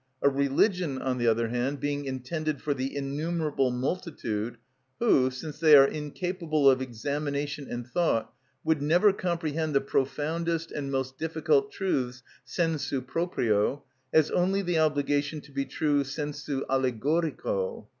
A religion, on the other hand, being intended for the innumerable multitude who, since they are incapable of examination and thought, would never comprehend the profoundest and most difficult truths sensu proprio, has only the obligation to be true sensu allegorico.